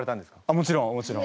もちろんもちろん。